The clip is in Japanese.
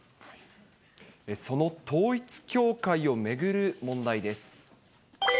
その統一教会を巡る問題です。